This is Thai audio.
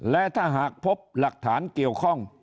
และถ้าหากพบหลักฐานเกี่ยวข้อง